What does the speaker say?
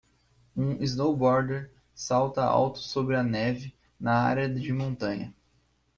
Um snowboarder salta alto sobre a neve na área de montanha.